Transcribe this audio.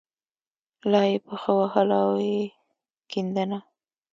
لا یې پښه وهله او یې کیندله.